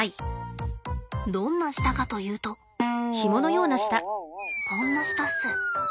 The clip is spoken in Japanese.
どんな舌かというとこんな舌っす。